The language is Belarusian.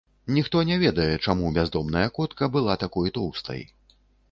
Ніхто не ведае, чаму бяздомная котка была такой тоўстай.